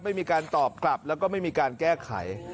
ไม่มีการตอบกลับแล้วก็ไม่มีการแก้ไข